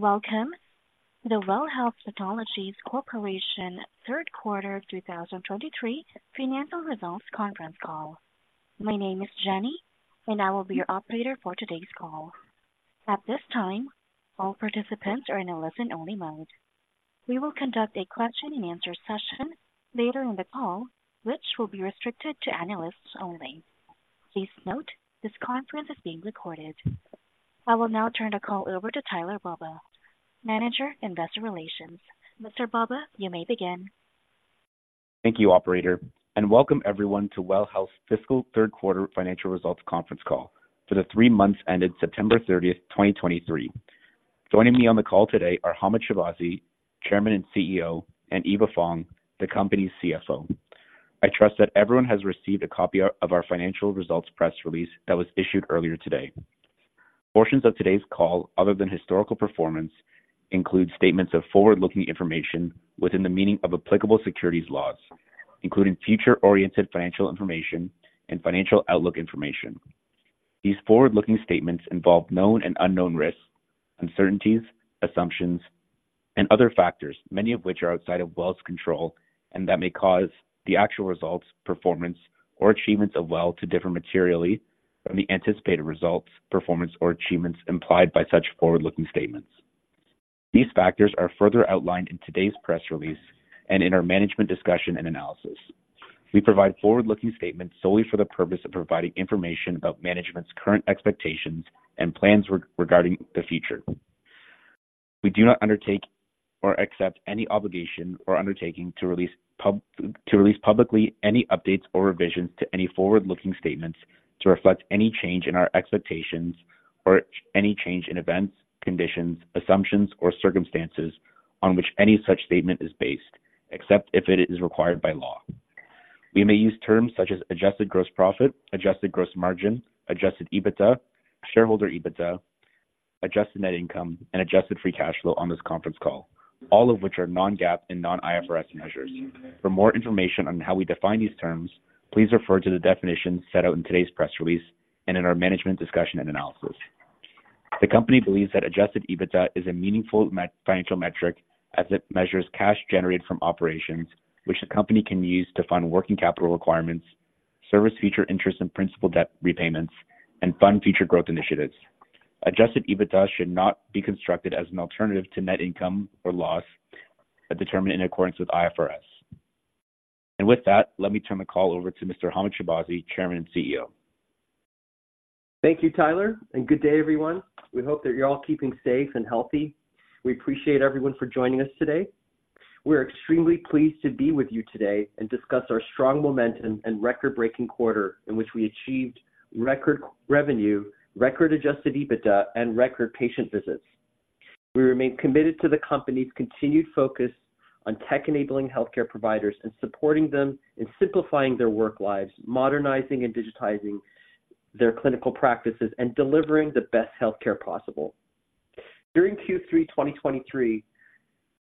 Welcome to the WELL Health Technologies Corporation Q3 of 2023 Financial results Conference Call. My name is Jenny, and I will be your operator for today's call. At this time, all participants are in a listen-only mode. We will conduct a question-and-answer session later in the call, which will be restricted to analysts only. Please note, this conference is being recorded. I will now turn the call over to Tyler Baba, Manager, Investor Relations. Mr. Baba, you may begin. Thank you, operator, and welcome everyone to WELL Health's Fiscal Q3 Financial results conference call for the three months ended September 30, 2023. Joining me on the call today are Hamed Shahbazi, Chairman and CEO, and Eva Fong, the company's CFO. I trust that everyone has received a copy of our financial results press release that was issued earlier today. Portions of today's call, other than historical performance, include statements of forward-looking information within the meaning of applicable securities laws, including future-oriented financial information and financial outlook information. These forward-looking statements involve known and unknown risks, uncertainties, assumptions, and other factors, many of which are outside of WELL's control and that may cause the actual results, performance, or achievements of WELL to differ materially from the anticipated results, performance, or achievements implied by such forward-looking statements. These factors are further outlined in today's press release and in our management discussion and analysis. We provide forward-looking statements solely for the purpose of providing information about management's current expectations and plans regarding the future. We do not undertake or accept any obligation or undertaking to release publicly any updates or revisions to any forward-looking statements to reflect any change in our expectations or any change in events, conditions, assumptions, or circumstances on which any such statement is based, except if it is required by law. We may use terms such as adjusted gross profit, adjusted gross margin, adjusted EBITDA, shareholder EBITDA, adjusted net income, and adjusted free cash flow on this conference call, all of which are non-GAAP and non-IFRS measures. For more information on how we define these terms, please refer to the definitions set out in today's press release and in our management discussion and analysis. The company believes that Adjusted EBITDA is a meaningful financial metric as it measures cash generated from operations, which the company can use to fund working capital requirements, service future interest and principal debt repayments, and fund future growth initiatives. Adjusted EBITDA should not be construed as an alternative to net income or loss, but determined in accordance with IFRS. With that, let me turn the call over to Mr. Hamed Shahbazi, Chairman and CEO. Thank you, Tyler, and good day, everyone. We hope that you're all keeping safe and healthy. We appreciate everyone for joining us today. We're extremely pleased to be with you today and discuss our strong momentum and record-breaking quarter in which we achieved record revenue, record Adjusted EBITDA, and record patient visits. We remain committed to the company's continued focus on tech-enabling healthcare providers and supporting them in simplifying their work lives, modernizing and digitizing their clinical practices, and delivering the best healthcare possible. During Q3 2023,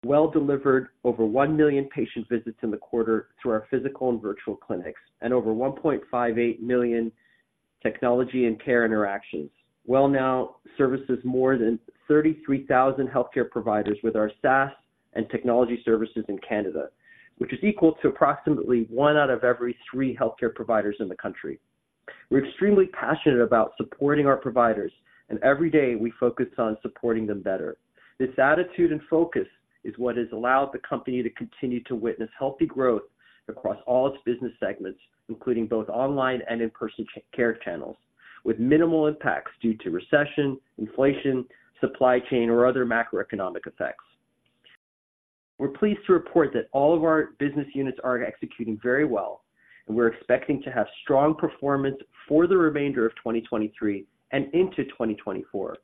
WELL delivered over 1 million patient visits in the quarter through our physical and virtual clinics, and over 1.58 million technology and care interactions. WELL now services more than 33,000 healthcare providers with our SaaS and technology services in Canada, which is equal to approximately one out of every three healthcare providers in the country. We're extremely passionate about supporting our providers, and every day we focus on supporting them better. This attitude and focus is what has allowed the company to continue to witness healthy growth across all its business segments, including both online and in-person care channels, with minimal impacts due to recession, inflation, supply chain, or other macroeconomic effects. We're pleased to report that all of our business units are executing very well, and we're expecting to have strong performance for the remainder of 2023 and into 2024.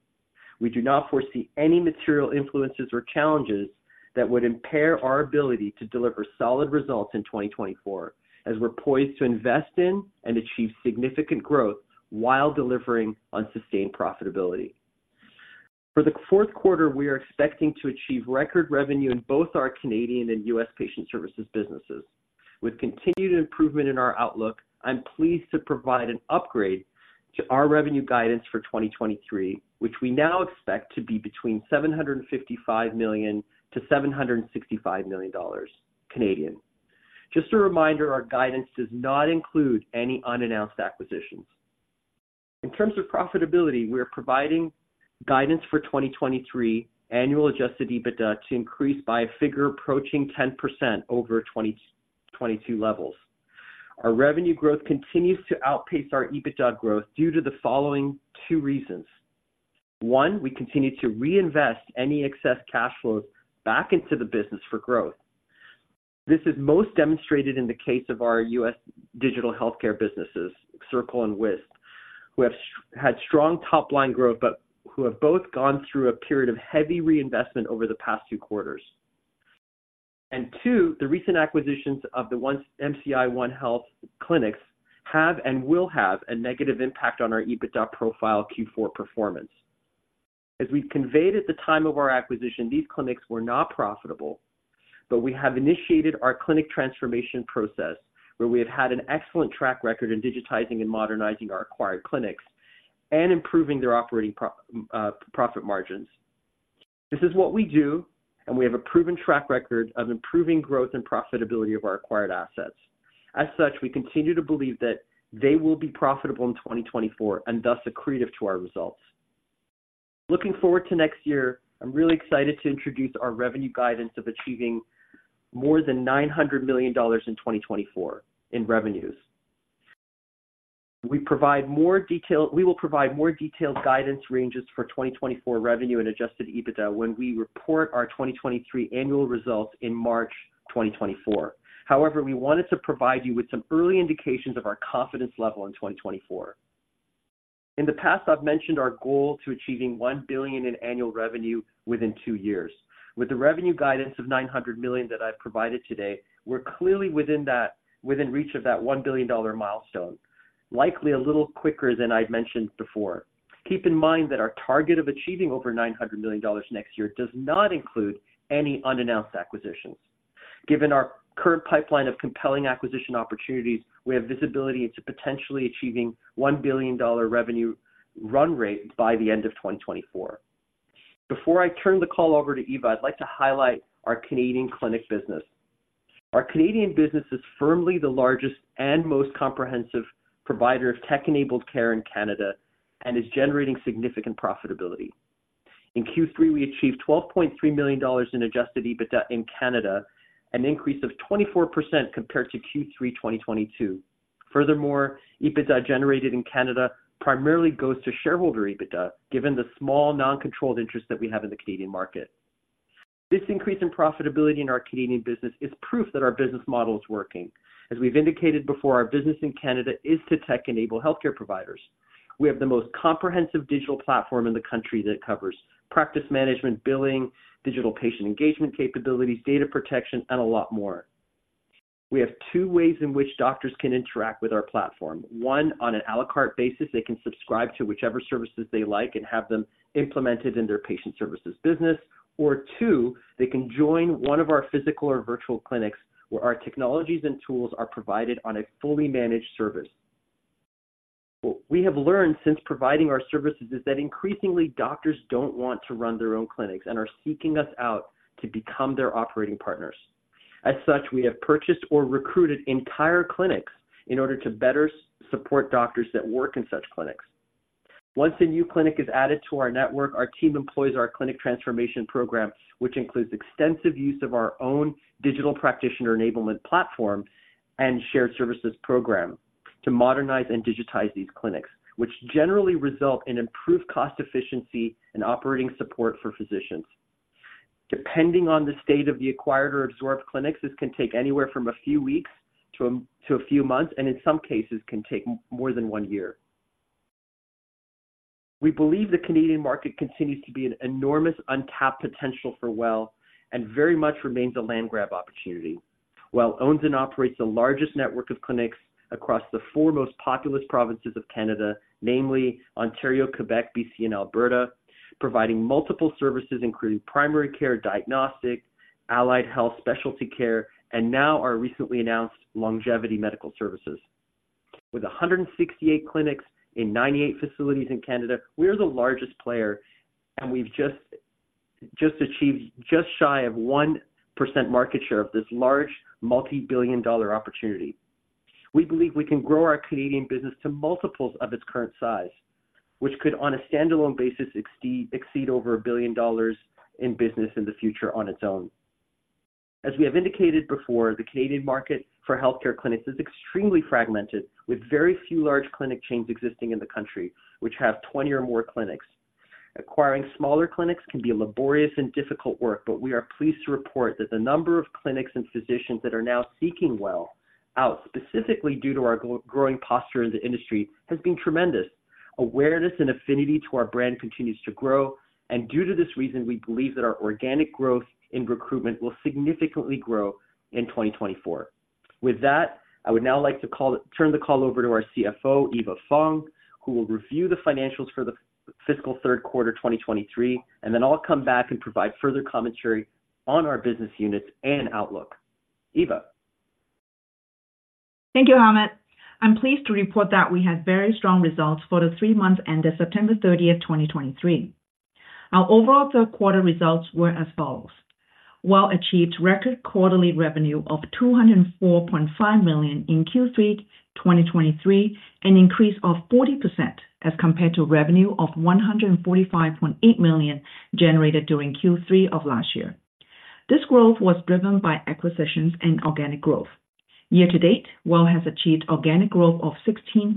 We do not foresee any material influences or challenges that would impair our ability to deliver solid results in 2024, as we're poised to invest in and achieve significant growth while delivering on sustained profitability. For the Q4, we are expecting to achieve record revenue in both our Canadian and US patient services businesses. With continued improvement in our outlook, I'm pleased to provide an upgrade to our revenue guidance for 2023, which we now expect to be between 755 million-765 million dollars. Just a reminder, our guidance does not include any unannounced acquisitions. In terms of profitability, we are providing guidance for 2023 annual adjusted EBITDA to increase by a figure approaching 10% over 2022 levels. Our revenue growth continues to outpace our EBITDA growth due to the following two reasons: One, we continue to reinvest any excess cash flows back into the business for growth. This is most demonstrated in the case of our U.S. digital healthcare businesses, Circle and Wisp, who have had strong top-line growth, but who have both gone through a period of heavy reinvestment over the past two quarters. And two, the recent acquisitions of the once MCI OneHealth clinics have and will have a negative impact on our EBITDA profile Q4 performance. As we've conveyed at the time of our acquisition, these clinics were not profitable, but we have initiated our clinic transformation process, where we have had an excellent track record in digitizing and modernizing our acquired clinics and improving their operating profit margins. This is what we do, and we have a proven track record of improving growth and profitability of our acquired assets. As such, we continue to believe that they will be profitable in 2024, and thus accretive to our results. Looking forward to next year, I'm really excited to introduce our revenue guidance of achieving more than 900 million dollars in 2024 in revenues. We will provide more detailed guidance ranges for 2024 revenue and Adjusted EBITDA when we report our 2023 annual results in March 2024. However, we wanted to provide you with some early indications of our confidence level in 2024. In the past, I've mentioned our goal to achieving 1 billion in annual revenue within two years. With the revenue guidance of 900 million that I've provided today, we're clearly within that, within reach of that 1 billion dollar milestone, likely a little quicker than I'd mentioned before. Keep in mind that our target of achieving over 900 million dollars next year does not include any unannounced acquisitions. Given our current pipeline of compelling acquisition opportunities, we have visibility into potentially achieving 1 billion dollar revenue run rate by the end of 2024. Before I turn the call over to Eva, I'd like to highlight our Canadian clinic business. Our Canadian business is firmly the largest and most comprehensive provider of tech-enabled care in Canada and is generating significant profitability. In Q3, we achieved 12.3 million dollars in adjusted EBITDA in Canada, an increase of 24% compared to Q3 2022. Furthermore, EBITDA generated in Canada primarily goes to shareholder EBITDA, given the small non-controlled interest that we have in the Canadian market. This increase in profitability in our Canadian business is proof that our business model is working. As we've indicated before, our business in Canada is to tech-enabled healthcare providers. We have the most comprehensive digital platform in the country that covers practice management, billing, digital patient engagement capabilities, data protection, and a lot more. We have two ways in which doctors can interact with our platform. One, on an à la carte basis, they can subscribe to whichever services they like and have them implemented in their patient services business. Or two, they can join one of our physical or virtual clinics, where our technologies and tools are provided on a fully managed service. What we have learned since providing our services is that increasingly, doctors don't want to run their own clinics and are seeking us out to become their operating partners. As such, we have purchased or recruited entire clinics in order to better support doctors that work in such clinics. Once a new clinic is added to our network, our team employs our clinic transformation program, which includes extensive use of our own digital practitioner enablement platform and shared services program to modernize and digitize these clinics, which generally result in improved cost efficiency and operating support for physicians. Depending on the state of the acquired or absorbed clinics, this can take anywhere from a few weeks to a few months, and in some cases, can take more than one year. We believe the Canadian market continues to be an enormous untapped potential for WELL, and very much remains a land grab opportunity. WELL owns and operates the largest network of clinics across the four most populous provinces of Canada, namely Ontario, Quebec, B.C., and Alberta, providing multiple services, including primary care, diagnostic, allied health, specialty care, and now our recently announced longevity medical services. With 168 clinics in 98 facilities in Canada, we are the largest player, and we've just achieved just shy of 1% market share of this large multibillion-dollar opportunity. We believe we can grow our Canadian business to multiples of its current size, which could, on a standalone basis, exceed over 1 billion dollars in business in the future on its own. As we have indicated before, the Canadian market for healthcare clinics is extremely fragmented, with very few large clinic chains existing in the country, which have 20 or more clinics. Acquiring smaller clinics can be a laborious and difficult work, but we are pleased to report that the number of clinics and physicians that are now seeking WELL out, specifically due to our growing posture in the industry, has been tremendous. Awareness and affinity to our brand continues to grow, and due to this reason, we believe that our organic growth in recruitment will significantly grow in 2024. With that, I would now like to turn the call over to our CFO, Eva Fong, who will review the financials for the fiscal Q3 2023, and then I'll come back and provide further commentary on our business units and outlook. Eva? Thank you, Hamed. I'm pleased to report that we had very strong results for the three months ended September 30, 2023. Our overall Q3 results were as follows: WELL achieved record quarterly revenue of 204.5 million in Q3 2023, an increase of 40% as compared to revenue of 145.8 million generated during Q3 of last year. This growth was driven by acquisitions and organic growth. Year to date, WELL has achieved organic growth of 16%.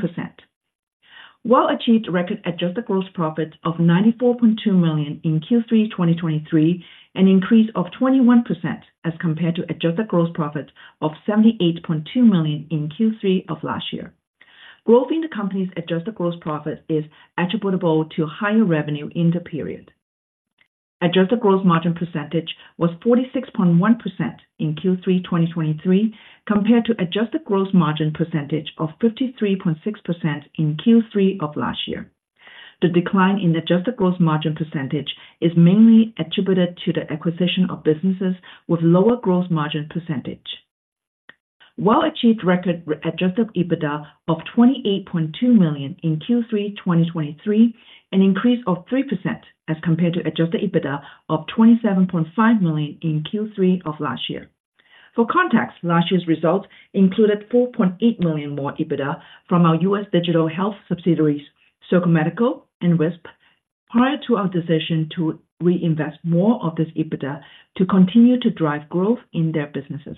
WELL achieved record Adjusted Gross Profit of 94.2 million in Q3 2023, an increase of 21% as compared to Adjusted Gross Profit of 78.2 million in Q3 of last year. Growth in the company's Adjusted Gross Profit is attributable to higher revenue in the period. Adjusted gross margin percentage was 46.1% in Q3 2023, compared to adjusted gross margin percentage of 53.6% in Q3 of last year. The decline in adjusted gross margin percentage is mainly attributed to the acquisition of businesses with lower gross margin percentage. WELL achieved record adjusted EBITDA of 28.2 million in Q3 2023, an increase of 3% as compared to adjusted EBITDA of 27.5 million in Q3 of last year. For context, last year's results included 4.8 million more EBITDA from our U.S. digital health subsidiaries, Circle Medical and Wisp, prior to our decision to reinvest more of this EBITDA to continue to drive growth in their businesses.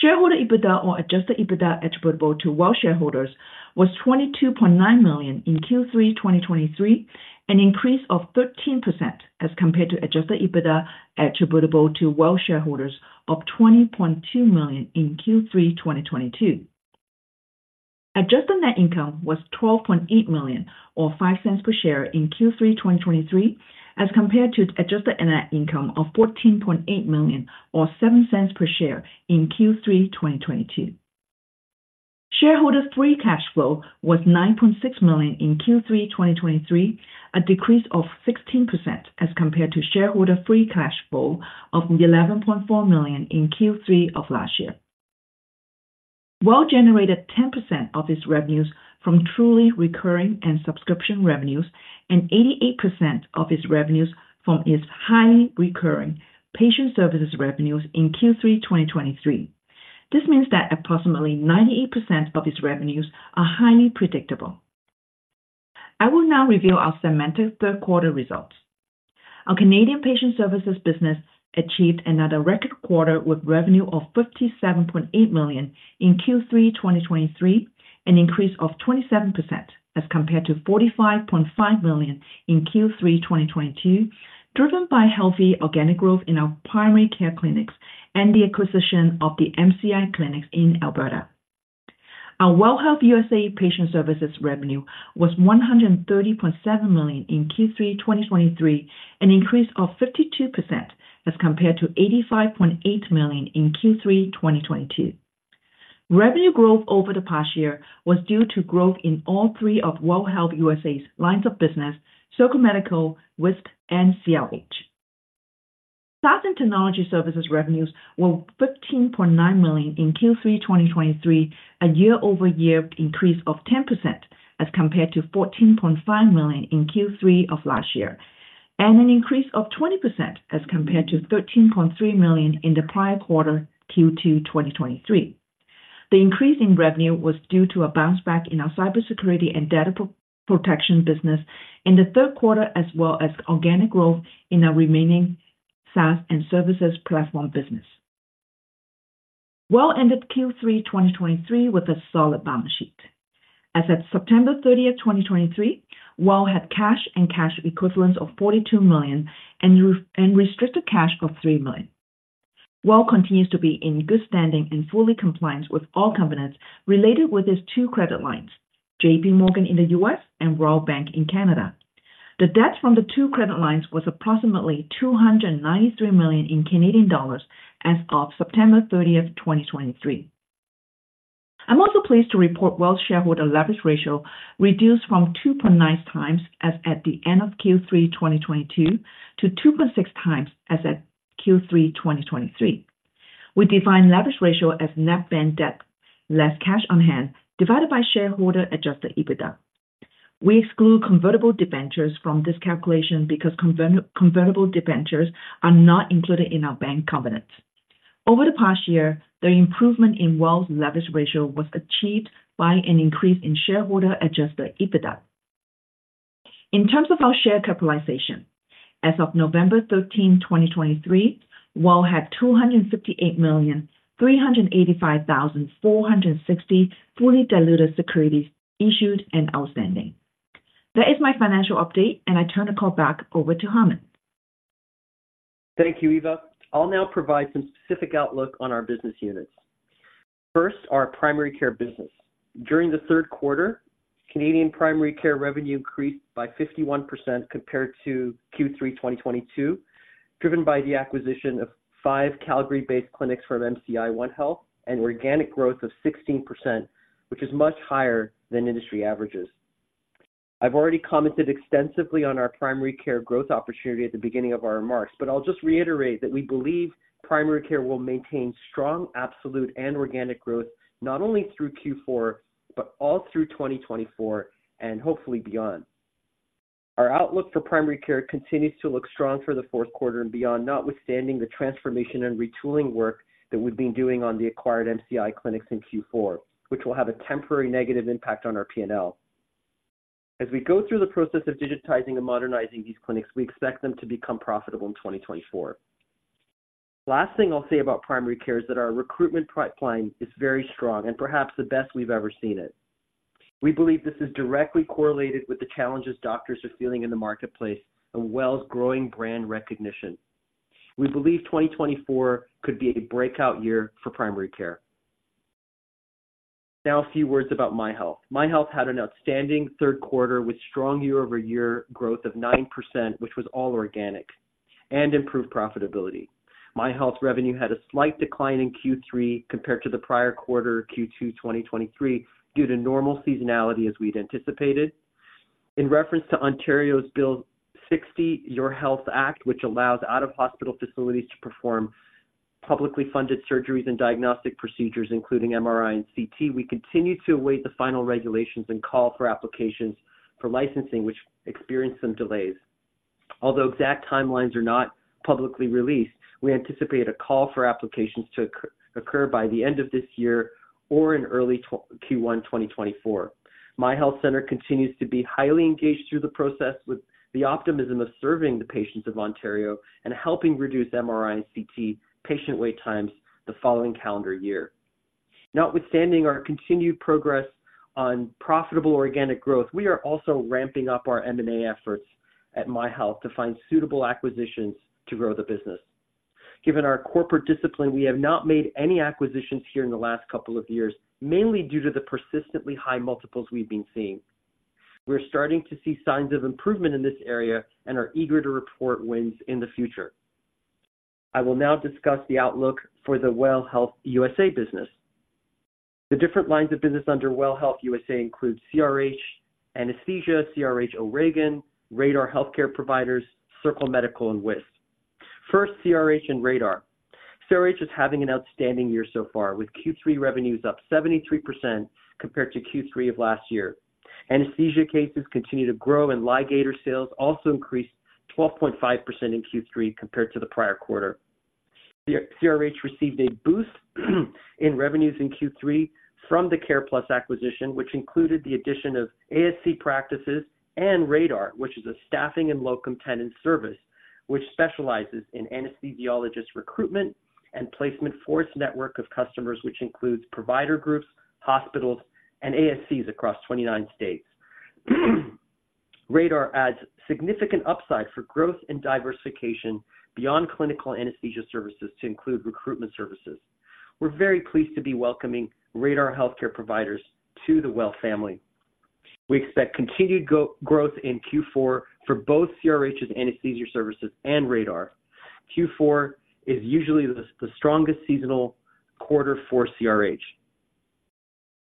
Shareholder EBITDA or adjusted EBITDA attributable to WELL shareholders, was 22.9 million in Q3 2023, an increase of 13% as compared to adjusted EBITDA attributable to WELL shareholders of 20.2 million in Q3 2022. Adjusted net income was 12.8 million or 0.05 per share in Q3 2023, as compared to adjusted net income of 14.8 million or 0.07 per share in Q3 2022. Shareholder free cash flow was 9.6 million in Q3 2023, a decrease of 16% as compared to shareholder free cash flow of 11.4 million in Q3 of last year. WELL generated 10% of its revenues from truly recurring and subscription revenues, and 88% of its revenues from its highly recurring patient services revenues in Q3 2023. This means that approximately 98% of its revenues are highly predictable. I will now review our fiscal Q3 results. Our Canadian patient services business achieved another record quarter with revenue of CAD 57.8 million in Q3 2023, an increase of 27% as compared to CAD 45.5 million in Q3 2022, driven by healthy organic growth in our primary care clinics and the acquisition of the MCI clinics in Alberta. Our WELL Health USA patient services revenue was CAD 130.7 million in Q3 2023, an increase of 52% as compared to CAD 85.8 million in Q3 2022. Revenue growth over the past year was due to growth in all three of WELL Health USA's lines of business, Circle Medical, Wisp, and CRH. SaaS and technology services revenues were 15.9 million in Q3 2023, a year-over-year increase of 10%, as compared to 14.5 million in Q3 of last year, and an increase of 20% as compared to 13.3 million in the prior quarter, Q2 2023. The increase in revenue was due to a bounce back in our cybersecurity and data protection business in the Q3, as well as organic growth in our remaining SaaS and services platform business. WELL ended Q3 2023 with a solid balance sheet. As at September 30, 2023, WELL had cash and cash equivalents of 42 million and restricted cash of 3 million. WELL continues to be in good standing and full compliance with all covenants related with its two credit lines, JP Morgan in the U.S. and Royal Bank of Canada. The debt from the two credit lines was approximately 293 million as of September 30, 2023. I'm also pleased to report WELL's shareholder leverage ratio reduced from 2.9 times as at the end of Q3 2022 to 2.6 times as at Q3 2023. We define leverage ratio as net bank debt, less cash on hand, divided by shareholder-adjusted EBITDA. We exclude convertible debentures from this calculation because convertible debentures are not included in our bank covenants. Over the past year, the improvement in WELL's leverage ratio was achieved by an increase in shareholder-adjusted EBITDA. In terms of our share capitalization, as of November 13, 2023, Well had 258,385,460 fully diluted securities issued and outstanding. That is my financial update, and I turn the call back over to Hamed. Thank you, Eva. I'll now provide some specific outlook on our business units. First, our primary care business. During the Q3, Canadian Primary Care Revenue increased by 51% compared to Q3 2022, driven by the acquisition of five Calgary-based clinics from MCI OneHealth and organic growth of 16%, which is much higher than industry averages. I've already commented extensively on our primary care growth opportunity at the beginning of our remarks, but I'll just reiterate that we believe primary care will maintain strong, absolute and organic growth, not only through Q4, but all through 2024, and hopefully beyond. Our outlook for primary care continues to look strong for the Q4 and beyond, notwithstanding the transformation and retooling work that we've been doing on the acquired MCI clinics in Q4, which will have a temporary negative impact on our P&L. As we go through the process of digitizing and modernizing these clinics, we expect them to become profitable in 2024. Last thing I'll say about primary care is that our recruitment pipeline is very strong and perhaps the best we've ever seen it. We believe this is directly correlated with the challenges doctors are feeling in the marketplace and WELL's growing brand recognition. We believe 2024 could be a breakout year for primary care. Now, a few words about MyHealth. MyHealth had an outstanding Q3 with strong year-over-year growth of 9%, which was all organic.... and improve profitability. MyHealth revenue had a slight decline in Q3 compared to the prior quarter, Q2 2023, due to normal seasonality, as we'd anticipated. In reference to Ontario's Bill 60, Your Health Act, which allows out-of-hospital facilities to perform publicly funded surgeries and diagnostic procedures, including MRI and CT, we continue to await the final regulations and call for applications for licensing, which experienced some delays. Although exact timelines are not publicly released, we anticipate a call for applications to occur by the end of this year or in early Q1 2024. MyHealth Centre continues to be highly engaged through the process with the optimism of serving the patients of Ontario and helping reduce MRI and CT patient wait times the following calendar year. Notwithstanding our continued progress on profitable organic growth, we are also ramping up our M&A efforts at MyHealth to find suitable acquisitions to grow the business. Given our corporate discipline, we have not made any acquisitions here in the last couple of years, mainly due to the persistently high multiples we've been seeing. We're starting to see signs of improvement in this area and are eager to report wins in the future. I will now discuss the outlook for the WELL Health USA business. The different lines of business under WELL Health USA include CRH Anesthesia, CRH O'Regan, Radar Healthcare Providers, Circle Medical, and Wisp. First, CRH and Radar. CRH is having an outstanding year so far, with Q3 revenues up 73% compared to Q3 of last year. Anesthesia cases continue to grow, and ligator sales also increased 12.5% in Q3 compared to the prior quarter. CRH received a boost in revenues in Q3 from the CarePlus acquisition, which included the addition of ASC practices and Radar, which is a staffing and locum tenens service, which specializes in anesthesiologist recruitment and placement for its network of customers, which includes provider groups, hospitals, and ASCs across 29 states. Radar adds significant upside for growth and diversification beyond clinical anesthesia services to include recruitment services. We're very pleased to be welcoming Radar Healthcare Providers to the WELL family. We expect continued growth in Q4 for both CRH's anesthesia services and Radar. Q4 is usually the strongest seasonal quarter for CRH.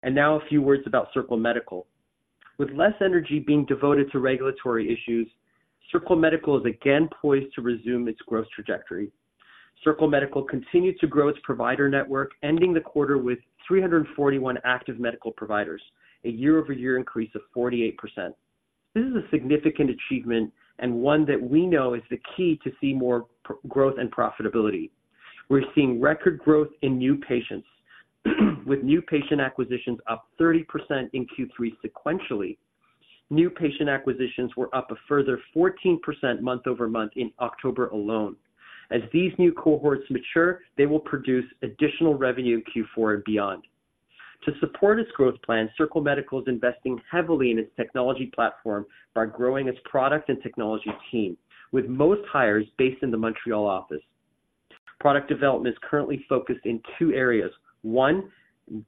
And now a few words about Circle Medical. With less energy being devoted to regulatory issues, Circle Medical is again poised to resume its growth trajectory. Circle Medical continued to grow its provider network, ending the quarter with 341 active medical providers, a year-over-year increase of 48%. This is a significant achievement and one that we know is the key to see more growth and profitability. We're seeing record growth in new patients, with new patient acquisitions up 30% in Q3 sequentially. New patient acquisitions were up a further 14% month-over-month in October alone. As these new cohorts mature, they will produce additional revenue in Q4 and beyond. To support its growth plan, Circle Medical is investing heavily in its technology platform by growing its product and technology team, with most hires based in the Montreal office. Product development is currently focused in two areas. One,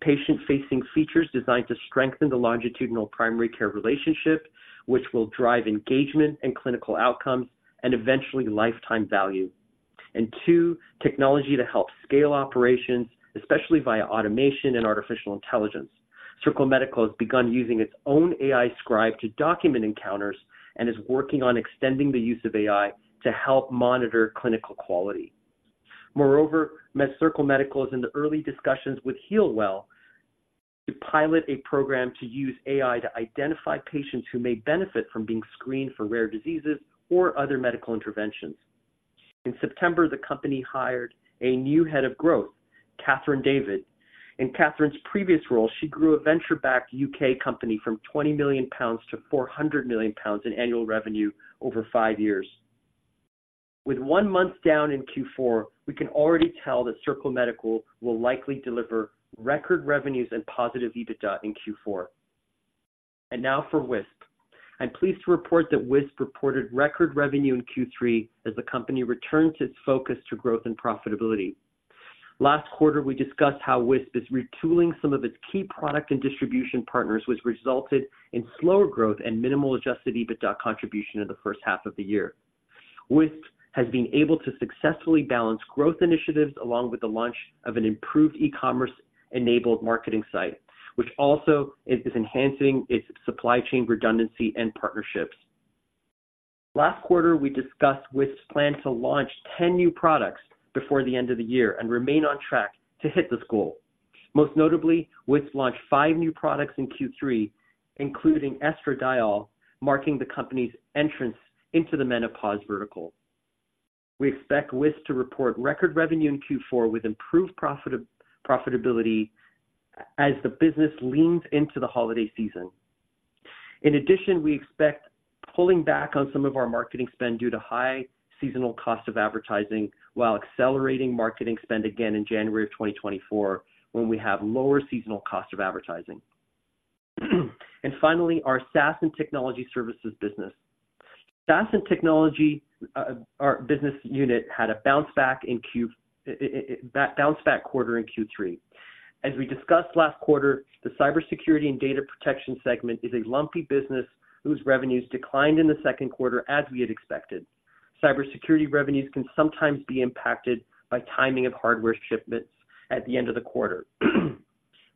patient-facing features designed to strengthen the longitudinal primary care relationship, which will drive engagement and clinical outcomes, and eventually lifetime value. And two, technology to help scale operations, especially via automation and artificial intelligence. Circle Medical has begun using its own AI scribe to document encounters and is working on extending the use of AI to help monitor clinical quality. Moreover, Circle Medical is in the early discussions with HEALWELL to pilot a program to use AI to identify patients who may benefit from being screened for rare diseases or other medical interventions. In September, the company hired a new head of growth, Catherine David. In Catherine's previous role, she grew a venture-backed UK company from 20 million pounds to 400 million pounds in annual revenue over five years. With one month down in Q4, we can already tell that Circle Medical will likely deliver record revenues and positive EBITDA in Q4. And now for Wisp. I'm pleased to report that Wisp reported record revenue in Q3 as the company returned its focus to growth and profitability. Last quarter, we discussed how Wisp is retooling some of its key product and distribution partners, which resulted in slower growth and minimal Adjusted EBITDA contribution in the first half of the year. Wisp has been able to successfully balance growth initiatives along with the launch of an improved e-commerce-enabled marketing site, which also is enhancing its supply chain redundancy and partnerships. Last quarter, we discussed Wisp's plan to launch 10 new products before the end of the year and remain on track to hit this goal. Most notably, Wisp launched 5 new products in Q3, including estradiol, marking the company's entrance into the menopause vertical. We expect Wisp to report record revenue in Q4 with improved profitability as the business leans into the holiday season. In addition, we expect pulling back on some of our marketing spend due to high seasonal cost of advertising, while accelerating marketing spend again in January 2024, when we have lower seasonal cost of advertising. And finally, our SaaS and technology services business. SaaS and technology, our business unit had a bounce back in Q3. As we discussed last quarter, the cybersecurity and data protection segment is a lumpy business whose revenues declined in the Q2 as we had expected. Cybersecurity revenues can sometimes be impacted by timing of hardware shipments at the end of the quarter.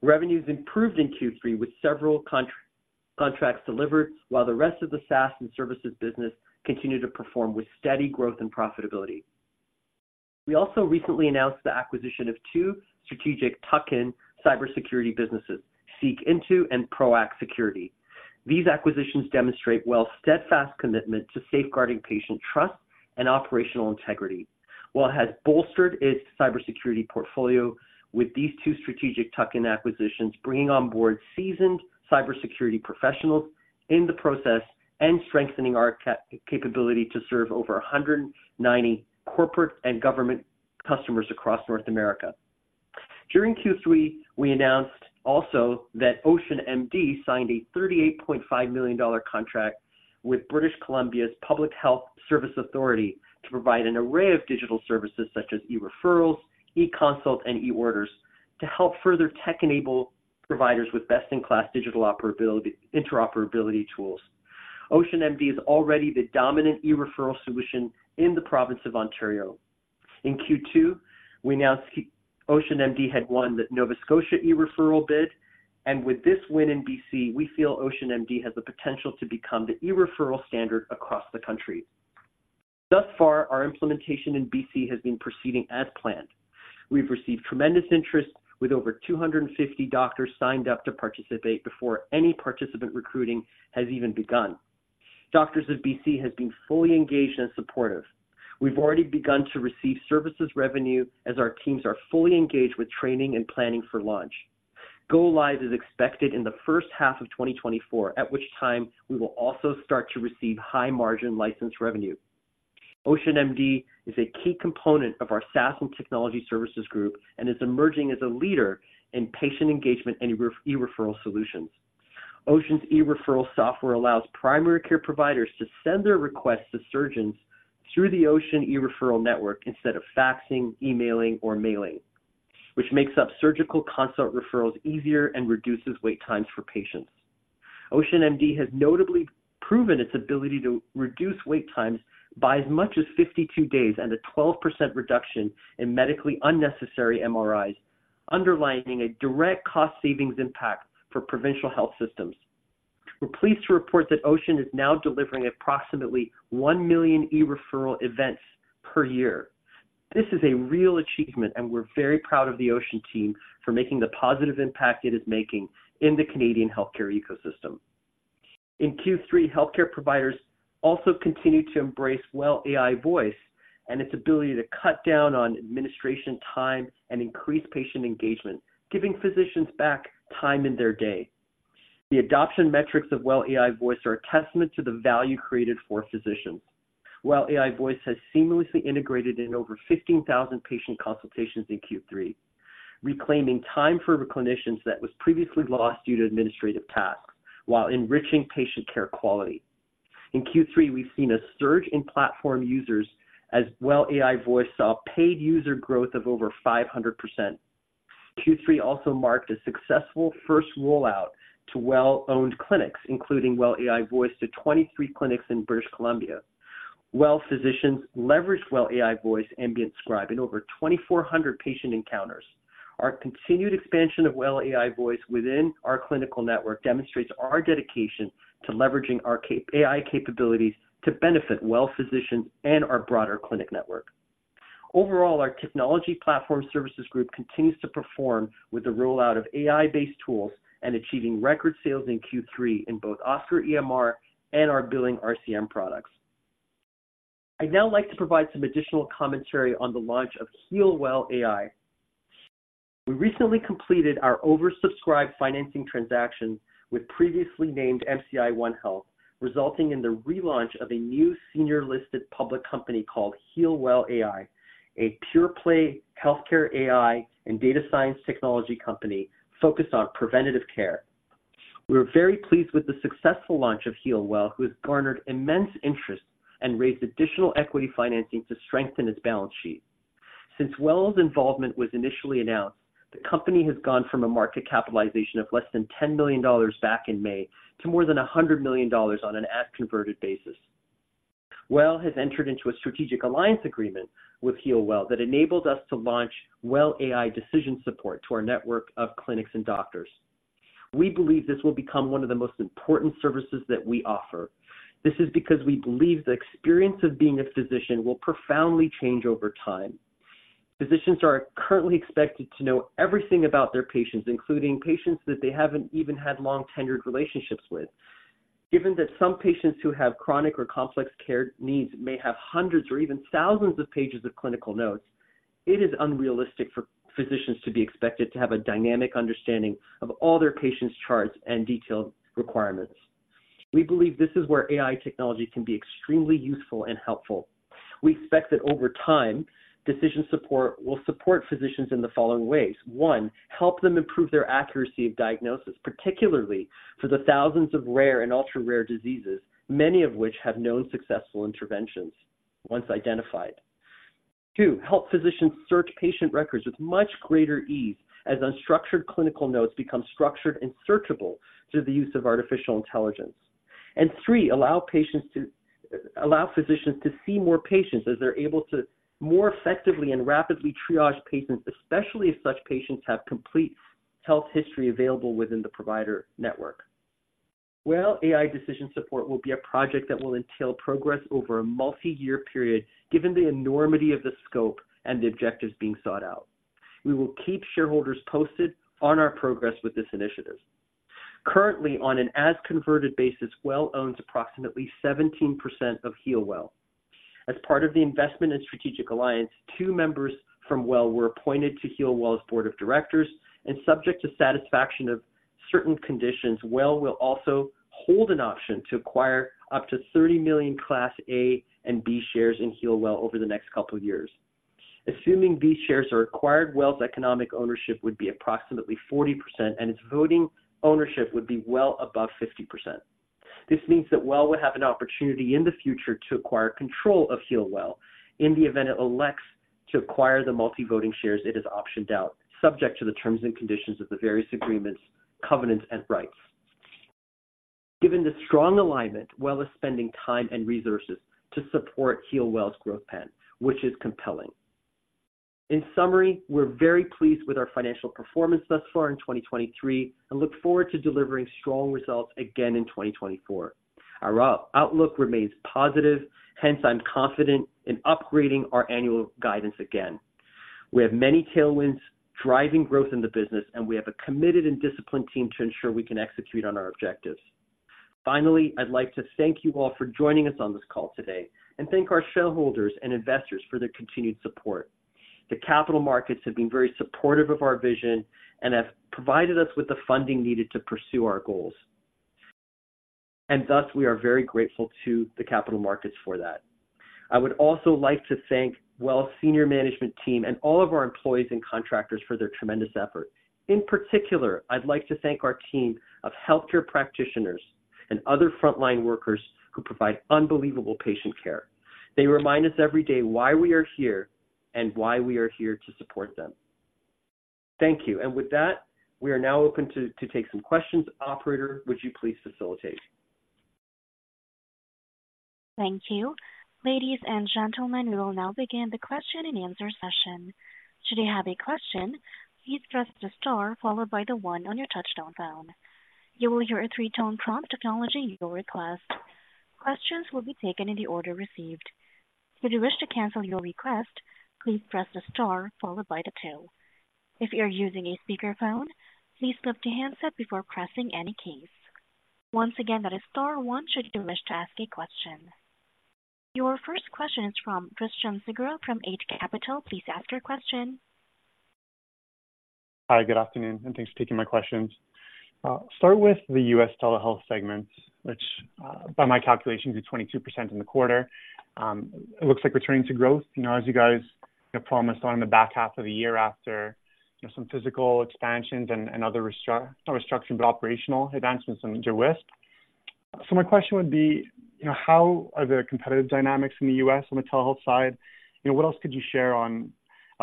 Revenues improved in Q3, with several country- contracts delivered, while the rest of the SaaS and services business continued to perform with steady growth and profitability. We also recently announced the acquisition of two strategic tuck-in cybersecurity businesses, Seekintoo and Proack Security. These acquisitions demonstrate WELL's steadfast commitment to safeguarding patient trust and operational integrity. WELL has bolstered its cybersecurity portfolio with these two strategic tuck-in acquisitions, bringing on board seasoned cybersecurity professionals in the process and strengthening our capability to serve over 190 corporate and government customers across North America. During Q3, we announced also that OceanMD signed a 38.5 million dollar contract with British Columbia's Provincial Health Services Authority to provide an array of digital services such as e-referrals, e-consults, and e-orders to help further tech-enable providers with best-in-class digital interoperability tools. OceanMD is already the dominant e-referral solution in the province of Ontario. In Q2, we announced OceanMD had won the Nova Scotia e-referral bid, and with this win in BC, we feel OceanMD has the potential to become the e-referral standard across the country. Thus far, our implementation in BC has been proceeding as planned. We've received tremendous interest, with over 250 doctors signed up to participate before any participant recruiting has even begun. Doctors of BC have been fully engaged and supportive. We've already begun to receive services revenue as our teams are fully engaged with training and planning for launch. Go-live is expected in the first half of 2024, at which time we will also start to receive high-margin license revenue. OceanMD is a key component of our SaaS and technology services group and is emerging as a leader in patient engagement and e-referral solutions. OceanMD's e-referral software allows primary care providers to send their requests to surgeons through the OceanMD e-referral network instead of faxing, emailing, or mailing, which makes up surgical consult referrals easier and reduces wait times for patients. OceanMD has notably proven its ability to reduce wait times by as much as 52 days and a 12% reduction in medically unnecessary MRIs, underlining a direct cost savings impact for provincial health systems. We're pleased to report that Ocean is now delivering approximately 1 million e-referral events per year. This is a real achievement, and we're very proud of the Ocean team for making the positive impact it is making in the Canadian healthcare ecosystem. In Q3, healthcare providers also continued to embrace WELL AI Voice and its ability to cut down on administration time and increase patient engagement, giving physicians back time in their day. The adoption metrics of WELL AI Voice are a testament to the value created for physicians. WELL AI Voice has seamlessly integrated in over 15,000 patient consultations in Q3, reclaiming time for clinicians that was previously lost due to administrative tasks while enriching patient care quality. In Q3, we've seen a surge in platform users as WELL AI Voice saw paid user growth of over 500%. Q3 also marked a successful first rollout to WELL-owned clinics, including WELL AI Voice to 23 clinics in British Columbia. WELL physicians leveraged WELL AI Voice ambient scribe in over 2,400 patient encounters. Our continued expansion of WELL AI Voice within our clinical network demonstrates our dedication to leveraging our AI capabilities to benefit WELL physicians and our broader clinic network. Overall, our technology platform services group continues to perform with the rollout of AI-based tools and achieving record sales in Q3 in both OSCAR EMR and our billing RCM products. I'd now like to provide some additional commentary on the launch of HEALWELL AI. We recently completed our oversubscribed financing transaction with previously named MCI OneHealth, resulting in the relaunch of a new senior-listed public company called HEALWELL AI, a pure-play healthcare AI and data science technology company focused on preventative care. We are very pleased with the successful launch of HEALWELL, who has garnered immense interest and raised additional equity financing to strengthen its balance sheet. Since WELL's involvement was initially announced, the company has gone from a market capitalization of less than 10 million dollars back in May to more than 100 million dollars on an as-converted basis. WELL has entered into a strategic alliance agreement with HEALWELL that enabled us to launch WELL AI Decision Support to our network of clinics and doctors. We believe this will become one of the most important services that we offer. This is because we believe the experience of being a physician will profoundly change over time. Physicians are currently expected to know everything about their patients, including patients that they haven't even had long-tenured relationships with. Given that some patients who have chronic or complex care needs may have hundreds or even thousands of pages of clinical notes, it is unrealistic for physicians to be expected to have a dynamic understanding of all their patients' charts and detailed requirements. We believe this is where AI technology can be extremely useful and helpful. We expect that over time, decision support will support physicians in the following ways: One, help them improve their accuracy of diagnosis, particularly for the thousands of rare and ultra-rare diseases, many of which have known successful interventions once identified.... Two, help physicians search patient records with much greater ease as unstructured clinical notes become structured and searchable through the use of artificial intelligence. And three, allow patients to-- allow physicians to see more patients as they're able to more effectively and rapidly triage patients, especially if such patients have complete health history available within the provider network. WELL AI Decision Support will be a project that will entail progress over a multi-year period, given the enormity of the scope and the objectives being sought out. We will keep shareholders posted on our progress with this initiative. Currently, on an as converted basis, WELL owns approximately 17% of HEALWELL. As part of the investment and strategic alliance, two members from WELL were appointed to HEALWELL's board of directors, and subject to satisfaction of certain conditions, WELL will also hold an option to acquire up to 30 million Class A and B shares in HEALWELL over the next couple of years. Assuming these shares are acquired, WELL's economic ownership would be approximately 40%, and its voting ownership would be well above 50%. This means that WELL would have an opportunity in the future to acquire control of HEALWELL in the event it elects to acquire the multi-voting shares it has optioned out, subject to the terms and conditions of the various agreements, covenants, and rights. Given the strong alignment, WELL is spending time and resources to support HEALWELL's growth path, which is compelling. In summary, we're very pleased with our financial performance thus far in 2023 and look forward to delivering strong results again in 2024. Our outlook remains positive, hence, I'm confident in upgrading our annual guidance again. We have many tailwinds driving growth in the business, and we have a committed and disciplined team to ensure we can execute on our objectives. Finally, I'd like to thank you all for joining us on this call today and thank our shareholders and investors for their continued support. The capital markets have been very supportive of our vision and have provided us with the funding needed to pursue our goals, and thus we are very grateful to the capital markets for that. I would also like to thank WELL's senior management team and all of our employees and contractors for their tremendous effort. In particular, I'd like to thank our team of healthcare practitioners and other frontline workers who provide unbelievable patient care. They remind us every day why we are here and why we are here to support them. Thank you. With that, we are now open to take some questions. Operator, would you please facilitate? Thank you. Ladies and gentlemen, we will now begin the question and answer session. Should you have a question, please press the star followed by the one on your touch-tone phone. You will hear a three-tone prompt acknowledging your request. Questions will be taken in the order received. If you wish to cancel your request, please press the star followed by the two. If you are using a speakerphone, please flip to handset before pressing any keys. Once again, that is star one should you wish to ask a question. Your first question is from Christian Sgro from Eight Capital. Please ask your question. Hi, good afternoon, and thanks for taking my questions. Start with the U.S. telehealth segment, which, by my calculations, is 22% in the quarter. It looks like returning to growth, you know, as you guys promised on the back half of the year after, you know, some physical expansions and, and other not restructuring, but operational advancements into Wisp. So my question would be, you know, how are the competitive dynamics in the U.S. on the telehealth side? You know, what else could you share on,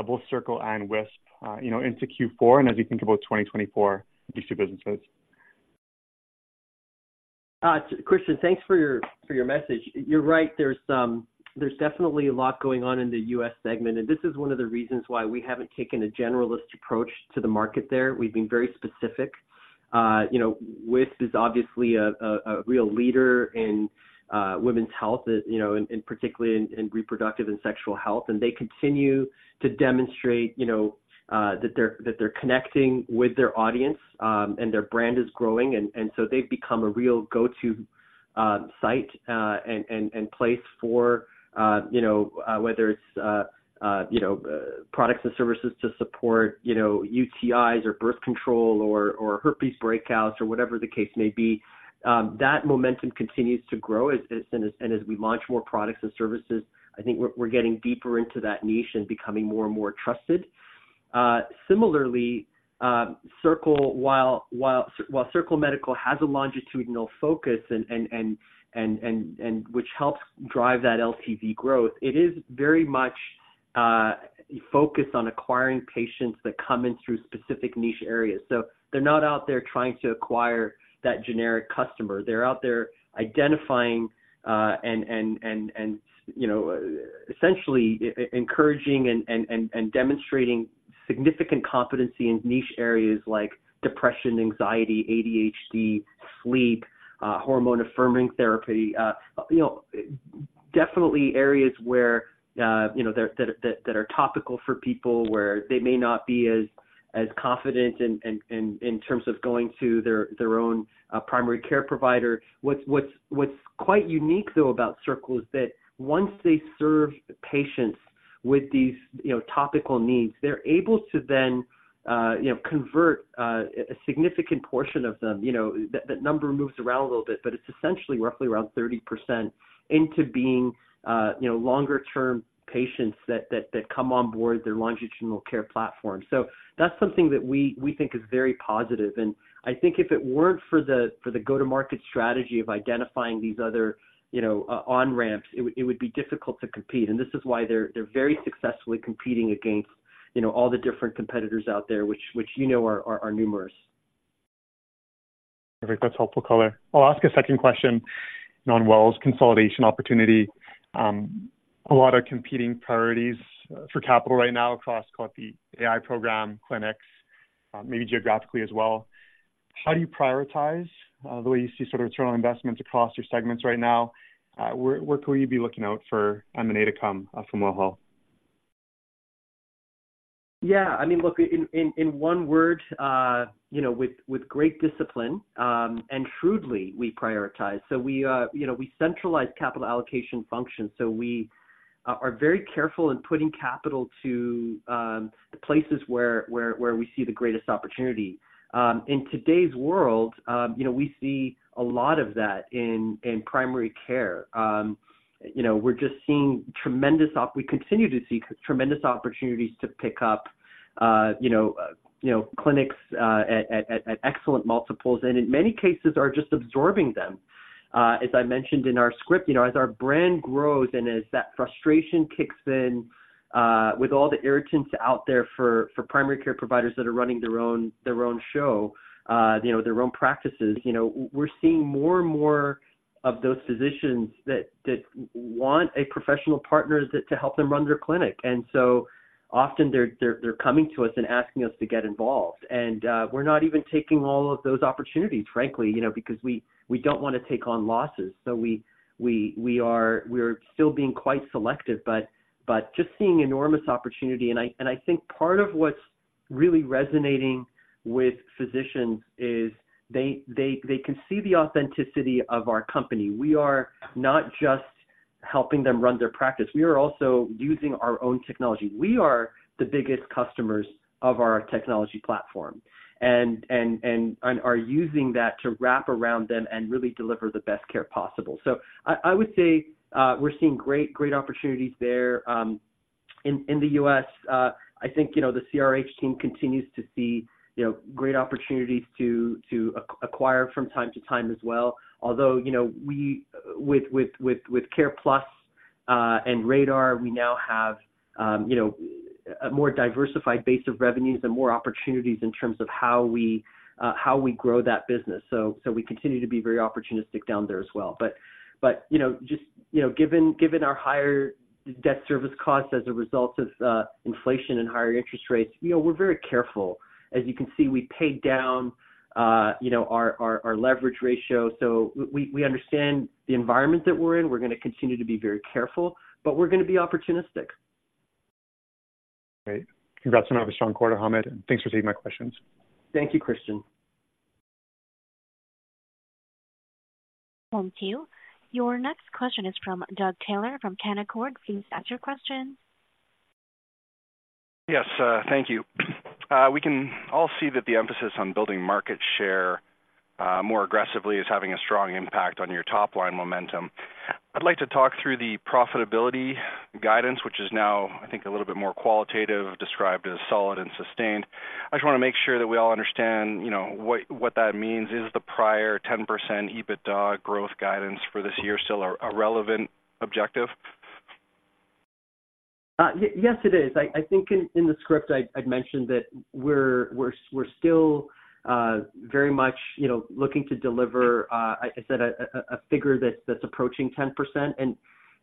both Circle and Wisp, you know, into Q4 and as you think about 2024, these two businesses? Christian, thanks for your message. You're right. There's definitely a lot going on in the U.S. segment, and this is one of the reasons why we haven't taken a generalist approach to the market there. We've been very specific. You know, Wisp is obviously a real leader in women's health, you know, particularly in reproductive and sexual health. And they continue to demonstrate, you know, that they're connecting with their audience, and their brand is growing, and so they've become a real go-to site and place for, you know, products and services to support, you know, UTIs or birth control or herpes breakouts or whatever the case may be. That momentum continues to grow as we launch more products and services, I think we're getting deeper into that niche and becoming more and more trusted. Similarly, Circle Medical, while Circle Medical has a longitudinal focus and which helps drive that LTV growth, it is very much focused on acquiring patients that come in through specific niche areas. So they're not out there trying to acquire that generic customer. They're out there identifying, you know, essentially encouraging and demonstrating significant competency in niche areas like depression, anxiety, ADHD, sleep, hormone-affirming therapy. You know, definitely areas where you know that are topical for people where they may not be as confident in terms of going to their own primary care provider. What's quite unique, though, about Circle is that once they serve patients with these you know topical needs, they're able to then you know convert a significant portion of them, you know that number moves around a little bit, but it's essentially roughly around 30% into being you know longer term patients that come on board their longitudinal care platform. So that's something that we think is very positive. And I think if it weren't for the go-to-market strategy of identifying these other you know on-ramps, it would be difficult to compete. This is why they're very successfully competing against, you know, all the different competitors out there, which you know are numerous. That's helpful color. I'll ask a second question on WELL's consolidation opportunity. A lot of competing priorities for capital right now across, call it, the AI program clinics, maybe geographically as well. How do you prioritize the way you see sort of return on investment across your segments right now? Where, where could we be looking out for M&A to come from WELL Health? Yeah, I mean, look, in one word, you know, with great discipline, and shrewdly, we prioritize. So we, you know, we centralize capital allocation functions, so we are very careful in putting capital to the places where we see the greatest opportunity. In today's world, you know, we see a lot of that in primary care. You know, we're just seeing tremendous—We continue to see tremendous opportunities to pick up, you know, clinics at excellent multiples, and in many cases are just absorbing them. As I mentioned in our script, you know, as our brand grows and as that frustration kicks in with all the irritants out there for primary care providers that are running their own show, you know, their own practices, you know, we're seeing more and more of those physicians that want a professional partner to help them run their clinic. And so often they're coming to us and asking us to get involved. And we're not even taking all of those opportunities, frankly, you know, because we don't want to take on losses. So we're still being quite selective, but just seeing enormous opportunity. And I think part of what's really resonating with physicians is they can see the authenticity of our company. We are not just helping them run their practice, we are also using our own technology. We are the biggest customers of our technology platform and are using that to wrap around them and really deliver the best care possible. So I would say, we're seeing great, great opportunities there, in the U.S. I think, you know, the CRH team continues to see, you know, great opportunities to acquire from time to time as well. Although, you know, we, with CarePlus, and Radar, we now have, you know, a more diversified base of revenues and more opportunities in terms of how we, how we grow that business. So we continue to be very opportunistic down there as well. But, you know, just, you know, given our higher debt service costs as a result of inflation and higher interest rates, you know, we're very careful. As you can see, we paid down, you know, our leverage ratio. So we understand the environment that we're in. We're going to continue to be very careful, but we're going to be opportunistic. Great. Congrats on a strong quarter, Hamed, and thanks for taking my questions. Thank you, Christian. Thank you. Your next question is from Doug Taylor from Canaccord. Please ask your question. Yes, thank you. We can all see that the emphasis on building market share more aggressively is having a strong impact on your top line momentum. I'd like to talk through the profitability guidance, which is now, I think, a little bit more qualitative, described as solid and sustained. I just want to make sure that we all understand, you know, what, what that means. Is the prior 10% EBITDA growth guidance for this year still a relevant objective? Yes, it is. I think in the script, I'd mentioned that we're still very much, you know, looking to deliver, I said a figure that's approaching 10%.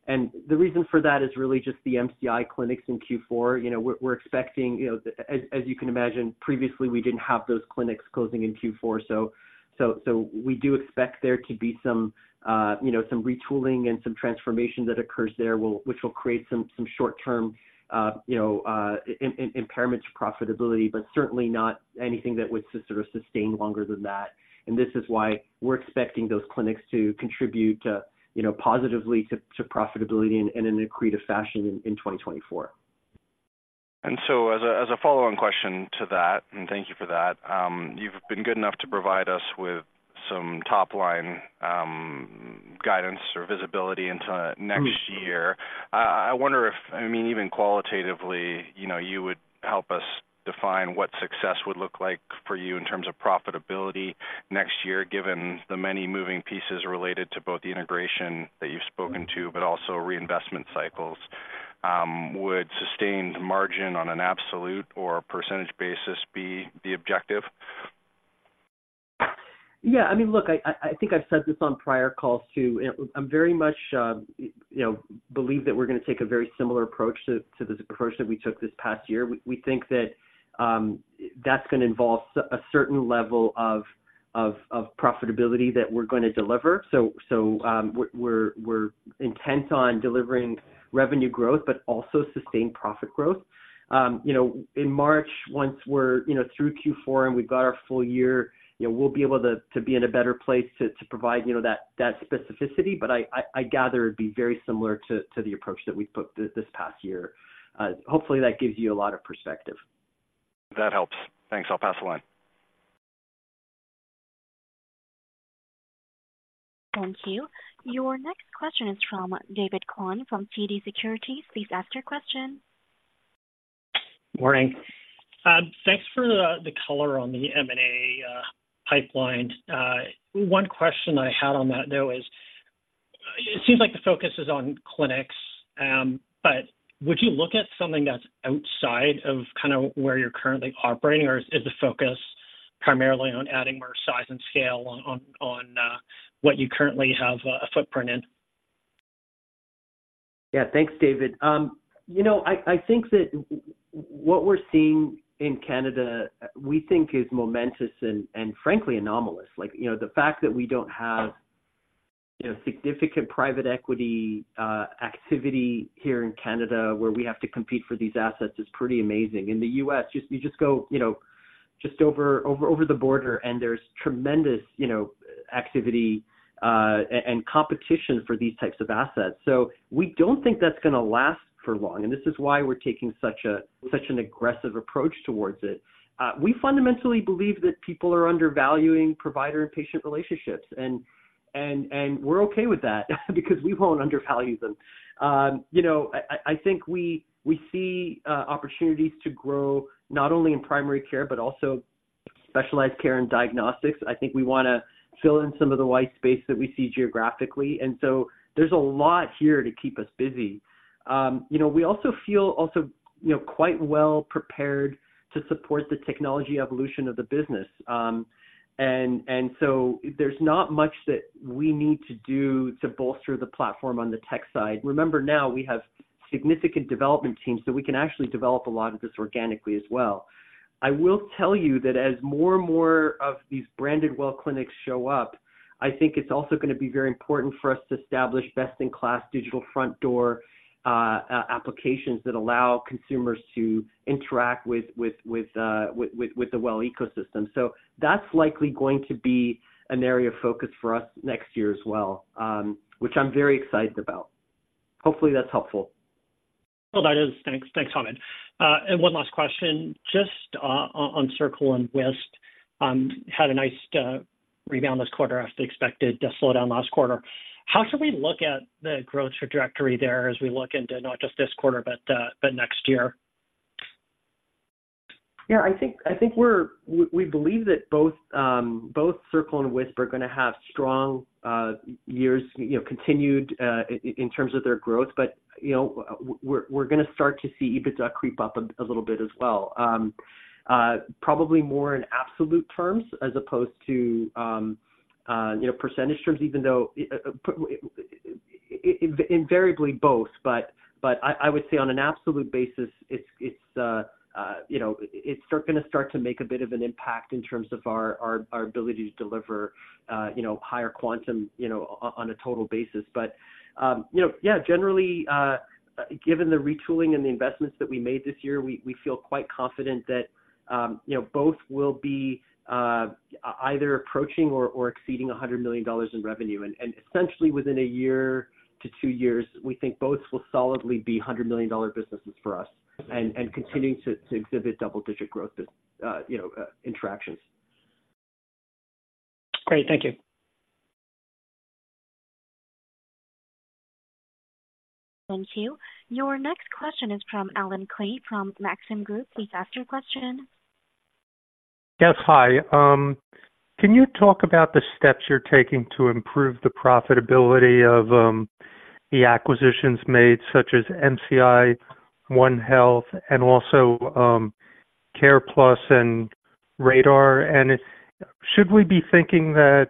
And the reason for that is really just the MCI clinics in Q4. You know, we're expecting, you know, as you can imagine, previously, we didn't have those clinics closing in Q4. So we do expect there to be some, you know, some retooling and some transformation that occurs there, which will create some short-term, you know, impairment to profitability, but certainly not anything that would sort of sustain longer than that. And this is why we're expecting those clinics to contribute, you know, positively to profitability and in an accretive fashion in 2024. And so as a, as a follow-on question to that, and thank you for that, you've been good enough to provide us with some top-line, guidance or visibility into next year.I wonder if, I mean, even qualitatively, you know, you would help us define what success would look like for you in terms of profitability next year, given the many moving pieces related to both the integration that you've spoken to, but also reinvestment cycles. Would sustained margin on an absolute or percentage basis be the objective? Yeah, I mean, look, I think I've said this on prior calls, too. I'm very much, you know, believe that we're going to take a very similar approach to the approach that we took this past year. We think that that's going to involve a certain level of profitability that we're going to deliver. So, we're intent on delivering revenue growth, but also sustained profit growth. You know, in March, once we're, you know, through Q4 and we've got our full year, you know, we'll be able to be in a better place to provide, you know, that specificity. But I gather it'd be very similar to the approach that we've took this past year. Hopefully, that gives you a lot of perspective. That helps. Thanks. I'll pass the line. Thank you. Your next question is from David Kwan from TD Securities. Please ask your question. Morning. Thanks for the color on the M&A pipeline. One question I had on that, though, is it seems like the focus is on clinics, but would you look at something that's outside of kind of where you're currently operating, or is the focus primarily on adding more size and scale on what you currently have a footprint in? Yeah, thanks, David. You know, I think that what we're seeing in Canada, we think is momentous and, frankly, anomalous. Like, you know, the fact that we don't have, you know, significant private equity activity here in Canada, where we have to compete for these assets, is pretty amazing. In the US, you just go, you know, just over the border, and there's tremendous, you know, activity and competition for these types of assets. So we don't think that's going to last for long, and this is why we're taking such a, such an aggressive approach towards it. We fundamentally believe that people are undervaluing provider and patient relationships, and we're okay with that because we won't undervalue them. You know, I think we see opportunities to grow not only in primary care, but also specialized care and diagnostics. I think we want to fill in some of the white space that we see geographically, and so there's a lot here to keep us busy. You know, we also feel also, you know, quite well prepared to support the technology evolution of the business. And so there's not much that we need to do to bolster the platform on the tech side. Remember, now we have significant development teams, so we can actually develop a lot of this organically as well. I will tell you that as more and more of these branded WELL Clinics show up, I think it's also going to be very important for us to establish best-in-class digital front door applications that allow consumers to interact with the WELL ecosystem. So that's likely going to be an area of focus for us next year as well, which I'm very excited about. Hopefully, that's helpful. Well, that is. Thanks. Thanks, Hamed. And one last question. Just on Circle and Wisp had a nice rebound this quarter after the expected to slow down last quarter. How should we look at the growth trajectory there as we look into not just this quarter, but next year? Yeah, I think we're we believe that both Circle and Wisp are going to have strong years, you know, continued in terms of their growth, but, you know, we're going to start to see EBITDA creep up a little bit as well. Probably more in absolute terms as opposed to you know percentage terms, even though invariably both. But I would say on an absolute basis, it's you know it's going to start to make a bit of an impact in terms of our ability to deliver you know higher quantum you know on a total basis. But, you know, yeah, generally, given the retooling and the investments that we made this year, we, we feel quite confident that, you know, both will be, either approaching or, or exceeding $100 million in revenue. And, and essentially, within a year to 2 years, we think both will solidly be $100 million businesses for us and, and continuing to, to exhibit double-digit growth, you know, interactions. Great. Thank you. Thank you. Your next question is from Alan Klee, from Maxim Group. Please ask your question. Yes, hi. Can you talk about the steps you're taking to improve the profitability of the acquisitions made, such as MCI OneHealth, and also CarePlus and Radar? And should we be thinking that,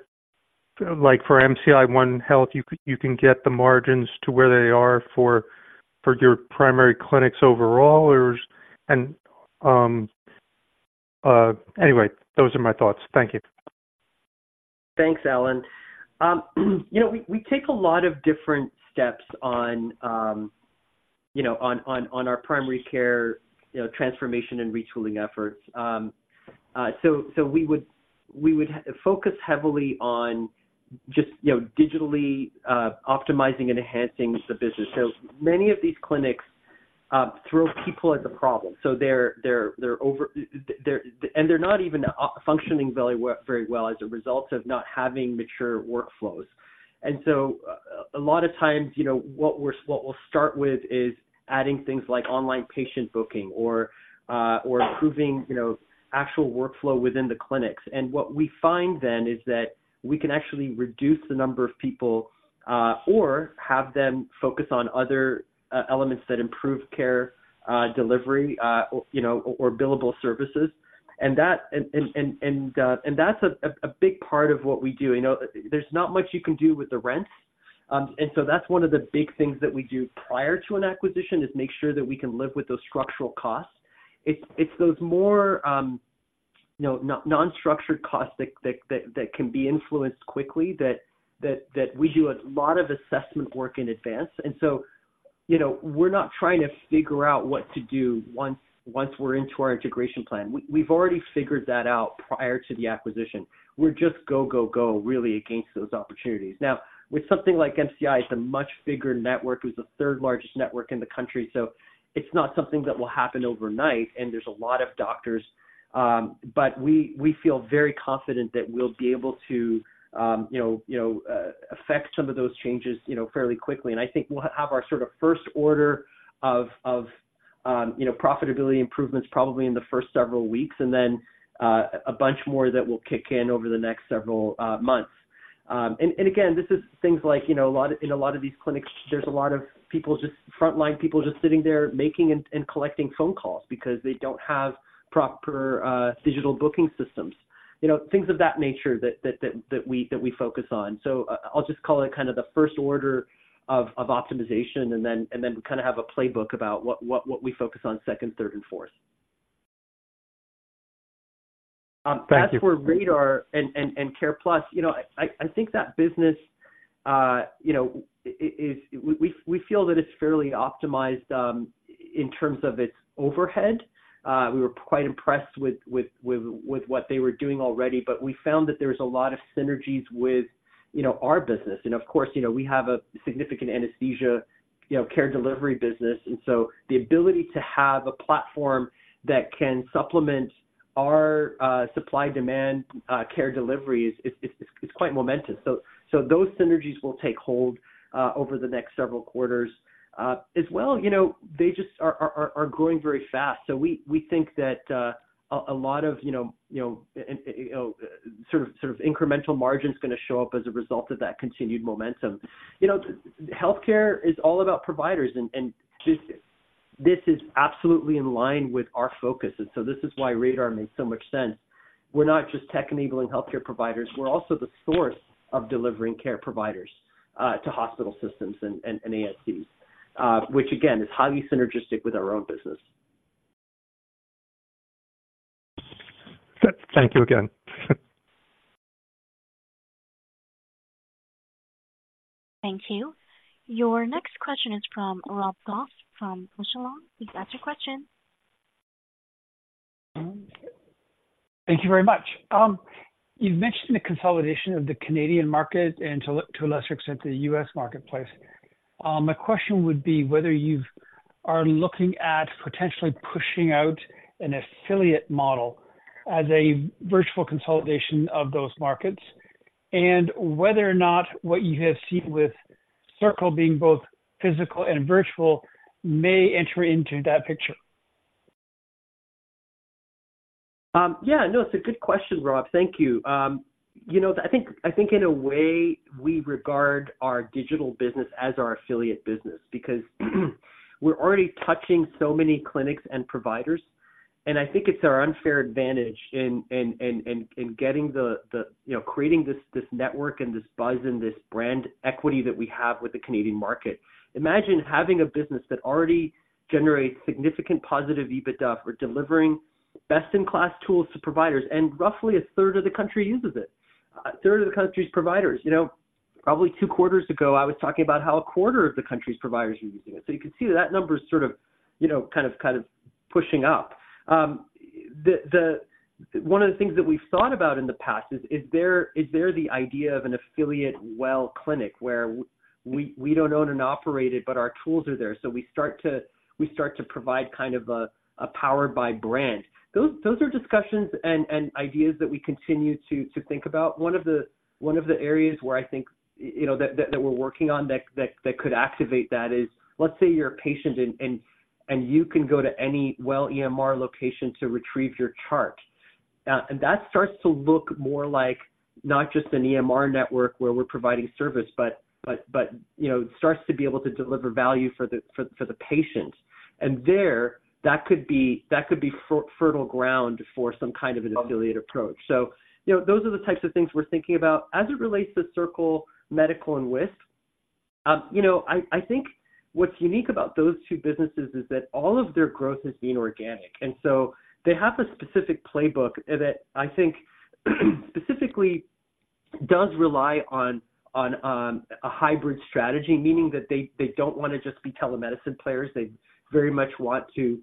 like for MCI OneHealth, you can get the margins to where they are for your primary clinics overall? Or, and anyway, those are my thoughts. Thank you. Thanks, Alan. You know, we take a lot of different steps on, you know, on our primary care, you know, transformation and retooling efforts. So, we would focus heavily on just, you know, digitally, optimizing and enhancing the business. So many of these clinics throw people at the problem, so they're over-- they're, and they're not even functioning very well as a result of not having mature workflows. And so a lot of times, you know, what we'll start with is adding things like online patient booking or, or improving, you know, actual workflow within the clinics. What we find then is that we can actually reduce the number of people, or have them focus on other elements that improve care delivery, you know, or billable services. And that's a big part of what we do. You know, there's not much you can do with the rent, and so that's one of the big things that we do prior to an acquisition, is make sure that we can live with those structural costs. It's those more, you know, non-structural costs that can be influenced quickly, that we do a lot of assessment work in advance. And so, you know, we're not trying to figure out what to do once we're into our integration plan. We've already figured that out prior to the acquisition. We're just go, go, go, really, against those opportunities. Now, with something like MCI, it's a much bigger network. It was the third largest network in the country, so it's not something that will happen overnight, and there's a lot of doctors. But we feel very confident that we'll be able to, you know, affect some of those changes, you know, fairly quickly. And I think we'll have our sort of first order of profitability improvements probably in the first several weeks, and then, a bunch more that will kick in over the next several months. And again, this is things like, you know, a lot, in a lot of these clinics, there's a lot of people, just frontline people just sitting there making and collecting phone calls because they don't have proper digital booking systems. You know, things of that nature that we focus on. So I'll just call it kind of the first order of optimization, and then we kind of have a playbook about what we focus on second, third, and fourth. Thank you. As for Radar and CarePlus, you know, I think that business, you know, is—we feel that it's fairly optimized in terms of its overhead. We were quite impressed with what they were doing already, but we found that there's a lot of synergies with, you know, our business. And of course, you know, we have a significant anesthesia, you know, care delivery business. And so the ability to have a platform that can supplement our supply-demand care delivery is quite momentous. So those synergies will take hold over the next several quarters. As well, you know, they just are growing very fast. So we think that a lot of you know sort of incremental margin is gonna show up as a result of that continued momentum. You know, healthcare is all about providers, and just this is absolutely in line with our focus. And so this is why Radar makes so much sense. We're not just tech-enabling healthcare providers; we're also the source of delivering care providers to hospital systems and ASCs, which again is highly synergistic with our own business. Thank you again. Thank you. Your next question is from Rob Goff from Echelon. Please ask your question. Thank you very much. You've mentioned the consolidation of the Canadian market and to a lesser extent, the U.S. marketplace. My question would be whether you've, are looking at potentially pushing out an affiliate model as a virtual consolidation of those markets, and whether or not what you have seen with Circle being both physical and virtual may enter into that picture? Yeah, no, it's a good question, Rob. Thank you. You know, I think in a way, we regard our digital business as our affiliate business, because we're already touching so many clinics and providers, and I think it's our unfair advantage in getting the, you know, creating this network and this buzz and this brand equity that we have with the Canadian market. Imagine having a business that already generates significant positive EBITDA for delivering best-in-class tools to providers, and roughly a third of the country uses it. A third of the country's providers. You know, probably two quarters ago, I was talking about how a quarter of the country's providers were using it. So you can see that number is sort of, you know, kind of pushing up. The one of the things that we've thought about in the past is there the idea of an affiliate WELL clinic where we don't own and operate it, but our tools are there. So we start to provide kind of a Powered by brand. Those are discussions and ideas that we continue to think about. One of the areas where I think, you know, that we're working on that could activate that is, let's say you're a patient and you can go to any WELL EMR location to retrieve your chart. And that starts to look more like not just an EMR network where we're providing service, but, you know, it starts to be able to deliver value for the patient. There, that could be, that could be fertile ground for some kind of an affiliate approach. So, you know, those are the types of things we're thinking about. As it relates to Circle Medical and Wisp, you know, I think what's unique about those two businesses is that all of their growth has been organic, and so they have a specific playbook that I think specifically does rely on a hybrid strategy, meaning that they don't want to just be telemedicine players. They very much want to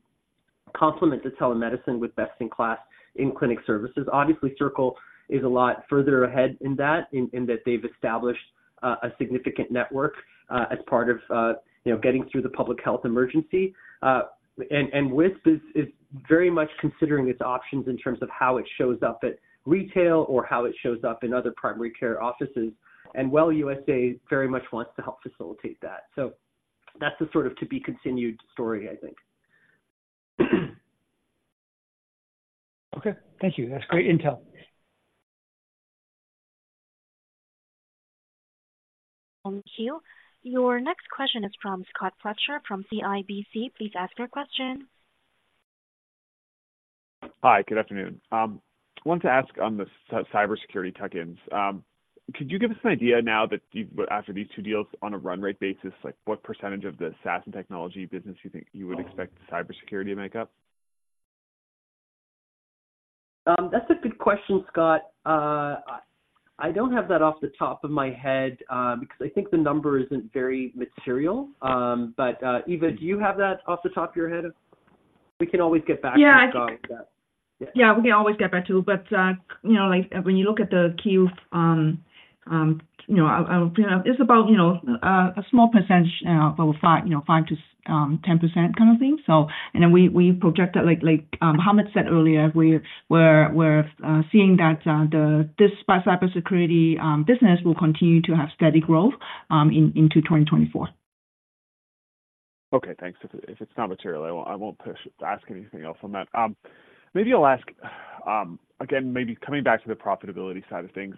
complement the telemedicine with best-in-class in-clinic services. Obviously, Circle is a lot further ahead in that they've established a significant network as part of you know, getting through the public health emergency. Wisp is very much considering its options in terms of how it shows up at retail or how it shows up in other primary care offices. WELL USA very much wants to help facilitate that. That's the sort of to-be-continued story, I think. Okay. Thank you. That's great intel. Thank you. Your next question is from Scott Fletcher from CIBC. Please ask your question. Hi, good afternoon. I want to ask on the cybersecurity tuck-ins. Could you give us an idea now that, after these two deals on a run rate basis, like what percentage of the SaaS and technology business you think you would expect cybersecurity to make up? That's a good question, Scott. I don't have that off the top of my head, because I think the number isn't very material. But, Eva, do you have that off the top of your head? We can always get back to you, Scott. Yeah, I think, Yeah, we can always get back to you, but, you know, like, when you look at the Q, you know, it's about, you know, a small percentage, about five, you know, 5%-10% kind of thing. So and then we projected like, Hamed said earlier, we're seeing that this cybersecurity business will continue to have steady growth into 2024. Okay, thanks. If it's not material, I won't push, ask anything else on that. Maybe I'll ask again, maybe coming back to the profitability side of things,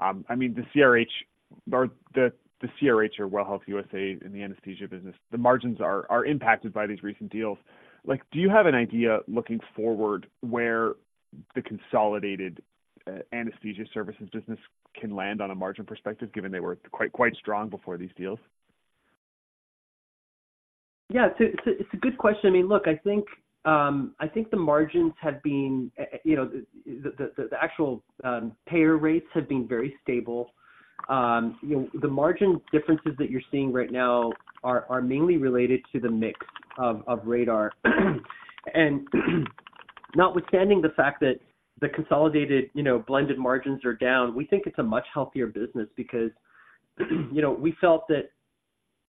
I mean, the CRH or the CRH or WELL Health USA in the anesthesia business, the margins are impacted by these recent deals. Like, do you have an idea, looking forward, where the consolidated anesthesia services business can land on a margin perspective, given they were quite strong before these deals? Yeah, it's a, it's a good question. I mean, look, I think the margins have been, you know, the actual payer rates have been very stable. You know, the margin differences that you're seeing right now are mainly related to the mix of Radar. And notwithstanding the fact that the consolidated, you know, blended margins are down, we think it's a much healthier business because, you know, we felt that,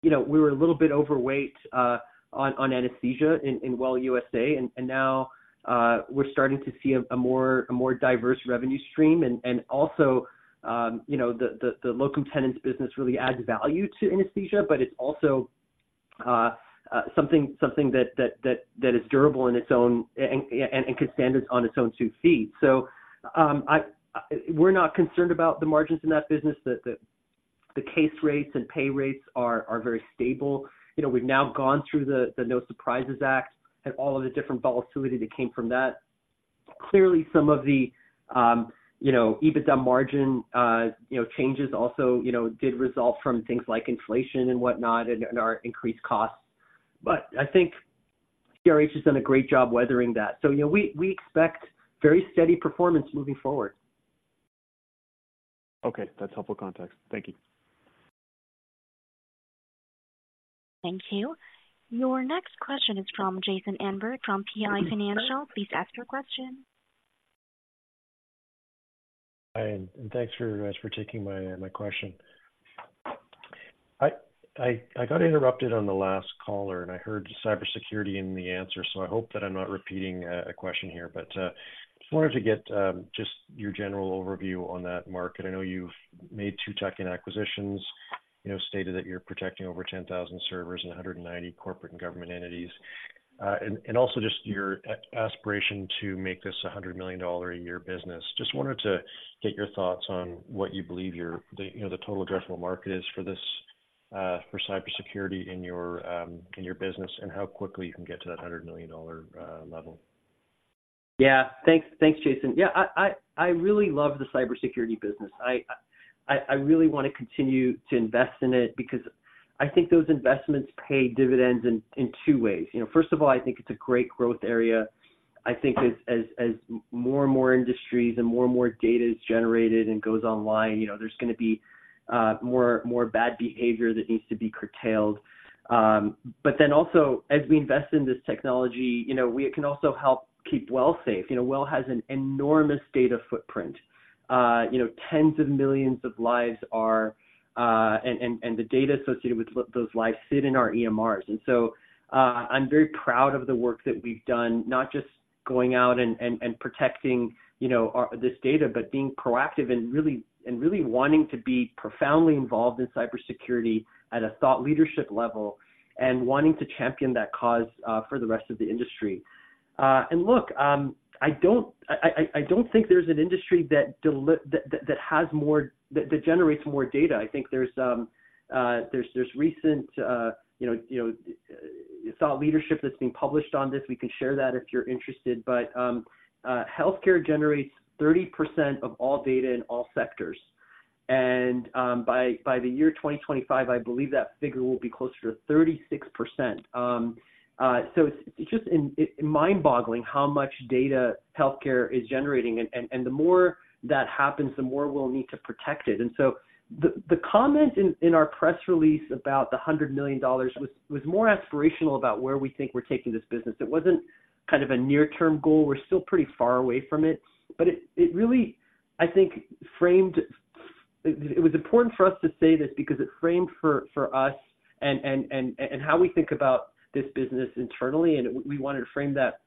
you know, we were a little bit overweight on anesthesia in WELL USA, and now we're starting to see a more diverse revenue stream. And also, you know, the locum tenens business really adds value to anesthesia, but it's also something that is durable in its own and can stand on its own two feet. So, we're not concerned about the margins in that business, the case rates and pay rates are very stable. You know, we've now gone through the No Surprises Act and all of the different volatility that came from that. Clearly, some of the EBITDA margin changes also did result from things like inflation and whatnot and our increased costs. But I think CRH has done a great job weathering that. So, you know, we expect very steady performance moving forward. Okay. That's helpful context. Thank you. Thank you. Your next question is from Jason Zandberg, from PI Financial. Please ask your question. Hi, and thanks very much for taking my, my question. I got interrupted on the last caller, and I heard cybersecurity in the answer, so I hope that I'm not repeating a question here. But, just wanted to get, just your general overview on that market. I know you've made two tuck-in acquisitions, you know, stated that you're protecting over 10,000 servers and 190 corporate and government entities, and also just your aspiration to make this a $100 million a year business. Just wanted to get your thoughts on what you believe your, the, you know, the total addressable market is for this, for cybersecurity in your, in your business, and how quickly you can get to that $100 million level. Yeah. Thanks. Thanks, Jason. Yeah, I really love the cybersecurity business. I really want to continue to invest in it because I think those investments pay dividends in two ways. You know, first of all, I think it's a great growth area. I think as more and more industries and more and more data is generated and goes online, you know, there's gonna be more bad behavior that needs to be curtailed. But then also, as we invest in this technology, you know, we can also help keep WELL safe. You know, WELL has an enormous data footprint. You know, tens of millions of lives are and the data associated with those lives sit in our EMRs. And so, I'm very proud of the work that we've done, not just going out and protecting, you know, our this data, but being proactive and really wanting to be profoundly involved in cybersecurity at a thought leadership level, and wanting to champion that cause for the rest of the industry. And look, I don't think there's an industry that has more that generates more data. I think there's recent thought leadership that's being published on this. We can share that if you're interested, but healthcare generates 30% of all data in all sectors, and by the year 2025, I believe that figure will be closer to 36%. So it's just mind-boggling how much data healthcare is generating, and the more that happens, the more we'll need to protect it. So the comment in our press release about 100 million dollars was more aspirational about where we think we're taking this business. It wasn't kind of a near-term goal. We're still pretty far away from it, but it really, I think, framed. It was important for us to say this because it framed for us and how we think about this business internally, and we wanted to frame that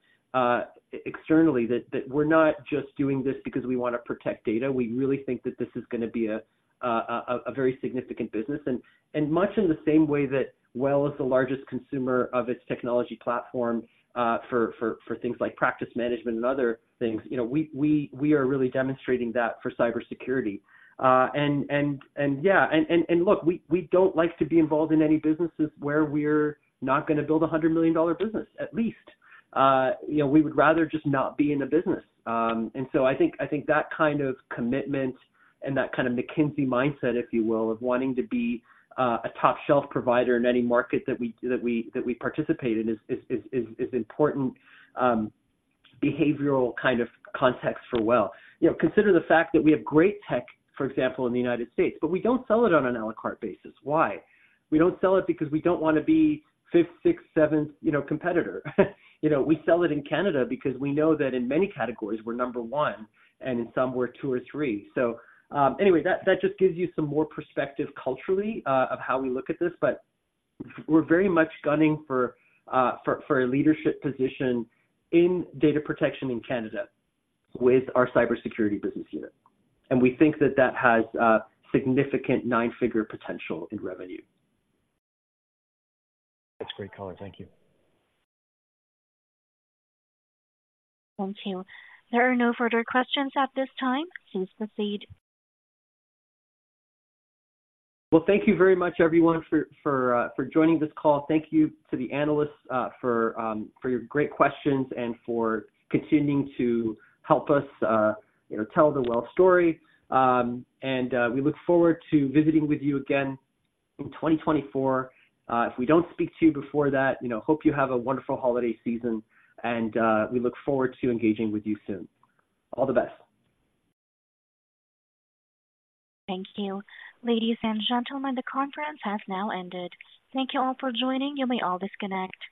externally, that we're not just doing this because we want to protect data. We really think that this is gonna be a very significant business. Much in the same way that WELL is the largest consumer of its technology platform, for things like practice management and other things, you know, we are really demonstrating that for cybersecurity. And yeah, and look, we don't like to be involved in any businesses where we're not gonna build a $100 million business, at least. You know, we would rather just not be in the business. And so I think that kind of commitment and that kind of McKinsey mindset, if you will, of wanting to be a top-shelf provider in any market that we participate in, is important behavioral kind of context for WELL. You know, consider the fact that we have great tech, for example, in the United States, but we don't sell it on an à la carte basis. Why? We don't sell it because we don't want to be fifth, sixth, seventh, you know, competitor. You know, we sell it in Canada because we know that in many categories, we're number one, and in some we're two or three. So, anyway, that just gives you some more perspective culturally of how we look at this. But we're very much gunning for a leadership position in data protection in Canada with our cybersecurity business unit. And we think that that has a significant nine-figure potential in revenue. That's a great color. Thank you. Thank you. There are no further questions at this time. Please proceed. Well, thank you very much, everyone, for joining this call. Thank you to the analysts, for your great questions and for continuing to help us, you know, tell the WELL story. And, we look forward to visiting with you again in 2024. If we don't speak to you before that, you know, hope you have a wonderful holiday season, and, we look forward to engaging with you soon. All the best. Thank you. Ladies and gentlemen, the conference has now ended. Thank you all for joining. You may all disconnect.